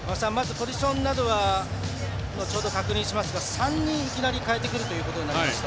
ポジションなどを確認しますが３人いきなり代えてくるということになりました。